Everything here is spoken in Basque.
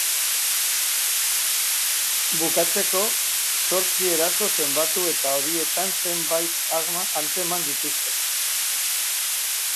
Bukatzeko, zortzi eraso zenbatu eta horietan zenbait arma atzeman dituzte.